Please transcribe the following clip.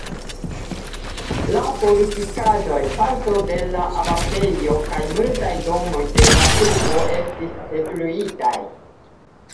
La fortikaĵoj, parto de la abatejo kaj multaj domoj de la urbo estis detruitaj.